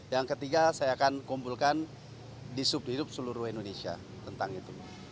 yang ketiga saya akan kumpulkan di subdirup seluruh indonesia tentang itu